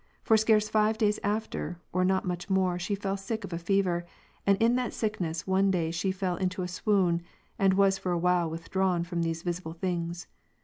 For scarce five days after, or not much more, she fell sick of a fever; and in that sickness one day she fell into a swoon, and was for a while withdrawn from these visible things.